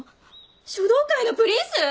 書道界のプリンス！？